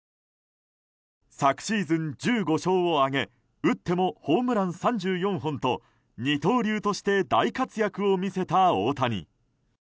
昨シーズン、１５勝を挙げ打ってもホームラン３４本と二刀流として大活躍を見せた大谷。